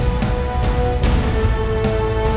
tidak ada yang bisa dihukum